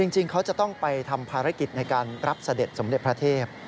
จริงเขาจะต้องไปทำภารกิจในการรับเสด็จสมเด็จพระเทพ